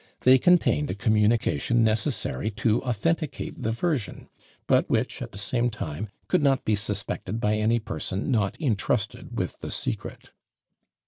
They contained a communication necessary to authenticate the version, but which, at the same time, could not be suspected by any person not intrusted with the secret.